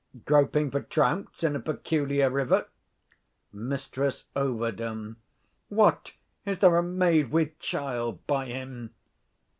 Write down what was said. _ Groping for trouts in a peculiar river. Mrs Ov. What, is there a maid with child by him?